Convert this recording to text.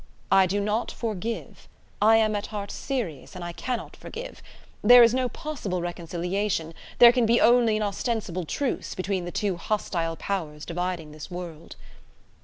I do not forgive: I am at heart serious and I cannot forgive: there is no possible reconciliation, there can be only an ostensible truce, between the two hostile powers dividing this world."